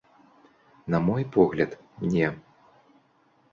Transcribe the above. На мой погляд, не.